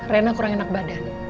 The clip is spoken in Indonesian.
rena kurang enak badan